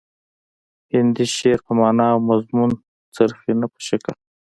هندي شعر په معنا او مضمون څرخي نه په شکل